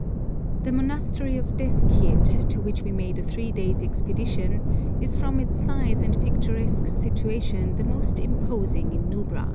The monastery of Deskyid, to which we made a three days' expedition, is from its size and picturesque situation the most imposing in Nubra.